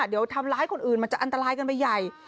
เดี๋ยวทำร้ายคนอื่นมันจะอันตรายกันไปใหญ่